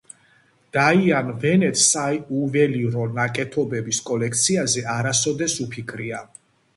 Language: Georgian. დაიან ვენეტს საიუველირო ნაკეთობების კოლექციაზე არასოდეს უფიქრია.